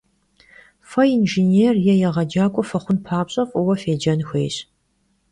Fe yinjjênêr yê yêğecak'ue fıxhun papş'e, f'ıue fêcen xuêyş.